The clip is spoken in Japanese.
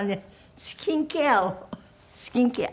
スキンケアをスキンケア。